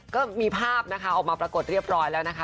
ก็มีภาพนะคะออกมาปรากฏเรียบร้อยแล้วนะคะ